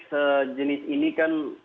sejenis ini kan